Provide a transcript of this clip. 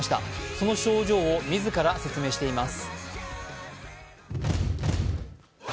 その症状を自ら説明しています。